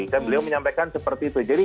kan beliau menyampaikan seperti itu